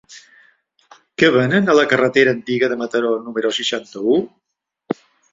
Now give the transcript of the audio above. Què venen a la carretera Antiga de Mataró número seixanta-u?